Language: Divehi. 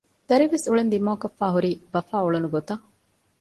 ދަރިވެސް އުޅެން ދިމާކޮށްފައި ހުރީ ބަފާ އުޅުނު ގޮތަށް